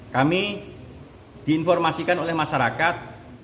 kami diinformasikan oleh masyarakat